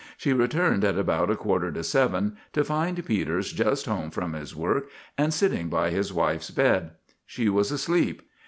She returned at about a quarter to seven to find Peters just home from his work and sitting by his wife's bed. She was asleep.